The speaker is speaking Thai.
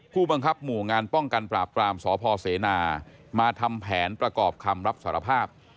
ผู้บังคับหมู่งานป้องกันปราบปรามสพเสนามาทำแผนประกอบคำรับสารภาพ